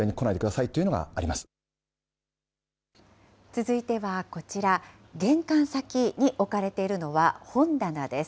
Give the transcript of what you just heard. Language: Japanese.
続いてはこちら、玄関先に置かれているのは本棚です。